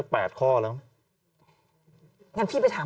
เป็น